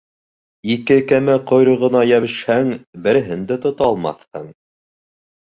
Ике кәмә ҡойроғона йәбешһәң, береһен дә тота алмаҫһың.